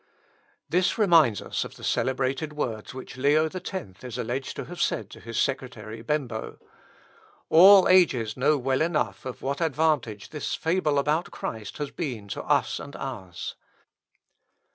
This reminds us of the celebrated words which Leo X is alleged to have said to his Secretary Bembo, "All ages know well enough of what advantage this fable about Christ has been to us and ours."